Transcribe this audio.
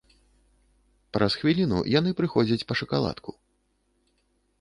Праз хвіліну яны прыходзяць па шакаладку.